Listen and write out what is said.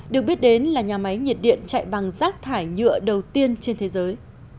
được biết đến là nhà máy nhiệt điện chạy bằng rác thải nhựa đầu tiên trên thế giới